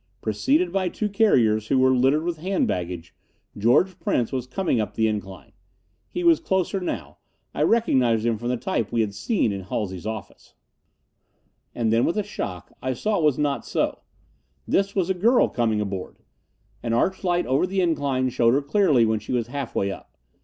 Preceded by two carriers who were littered with hand baggage, George Prince was coming up the incline. He was closer now. I recognized him from the type we had seen in Halsey's office. And then, with a shock, I saw it was not so. This was a girl coming aboard. An arch light over the incline showed her clearly when she was half way up.